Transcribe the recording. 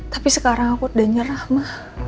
tapi sekarang aku udah nyerah mah